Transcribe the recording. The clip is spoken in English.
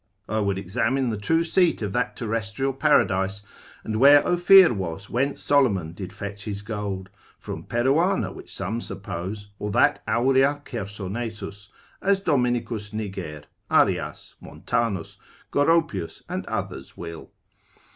I would examine the true seat of that terrestrial paradise, and where Ophir was whence Solomon did fetch his gold: from Peruana, which some suppose, or that Aurea Chersonesus, as Dominicus Niger, Arias Montanus, Goropius, and others will.